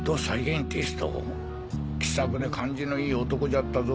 気さくで感じのいい男じゃったぞ！